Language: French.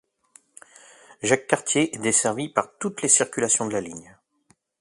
Jacques Cartier est desservie par toutes les circulations de la ligne.